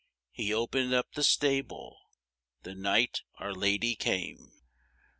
He opened up the stable The night Our Lady came.